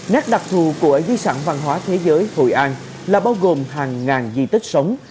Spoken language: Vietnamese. nét đặc thù của di sản văn hóa thế giới hội an là bao gồm hàng ngàn di tích sống